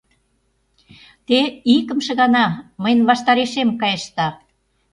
Те икымше гана мыйын ваштарешем кайышда!